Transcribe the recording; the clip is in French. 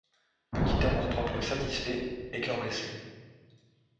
Petit amour-propre satisfait, et coeur blessé.